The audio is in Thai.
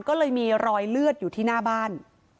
ก็เลยมีรอยเลือดอยู่ที่หน้าบ้าน